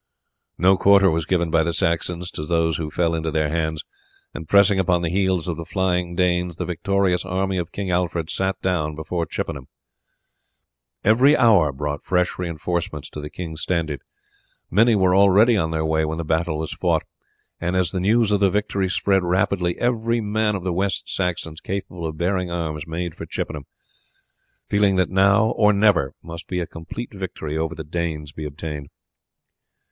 No quarter was given by the Saxons to those who fell into their hands, and pressing upon the heels of the flying Danes the victorious army of King Alfred sat down before Chippenham. Every hour brought fresh reinforcements to the king's standard. Many were already on their way when the battle was fought; and as the news of the victory spread rapidly every man of the West Saxons capable of bearing arms made for Chippenham, feeling that now or never must a complete victory over the Danes be obtained.